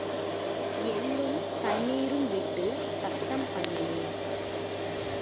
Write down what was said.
எள்ளும் தண்ணீரும் விட்டுத் தத்தம் பண்ணினேன்.